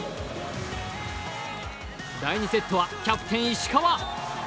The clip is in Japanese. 第２セットはキャプテン・石川。